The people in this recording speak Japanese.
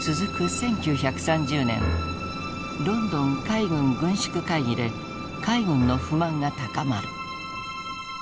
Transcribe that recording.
１９３０年ロンドン海軍軍縮会議で海軍の不満が高まる。